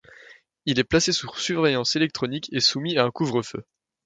Il est placé sous surveillance électronique et soumis à un couvre-feu.